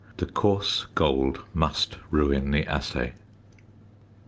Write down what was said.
The coarse gold must ruin the assay.